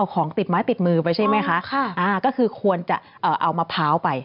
ก็คือควรจะเอามะพร้าวไป